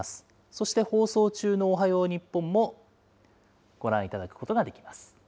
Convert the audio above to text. そして放送中のおはよう日本もご覧いただくことができます。